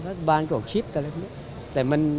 รัฐบาลก็คิดนี่